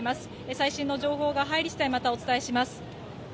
最新の情報が入り次第またお伝えします。